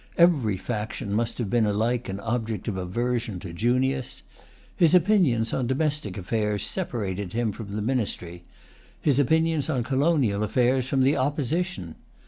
Every faction must have been alike an object of aversion to Junius. His opinions on domestic affairs separated him from the ministry; his opinions on colonial affairs from the opposition.